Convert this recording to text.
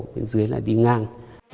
bên dưới lại đi ngang